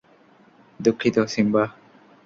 দুঃখিত, সিম্বা।